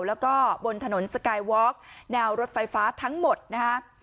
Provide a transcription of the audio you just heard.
แล้วก็บนถนนสกายวอร์กแนวรถไฟฟ้าทั้งหมดนะฮะ